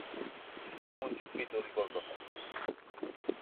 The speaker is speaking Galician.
Ponme un chupito de licor café